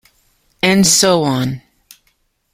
And so on.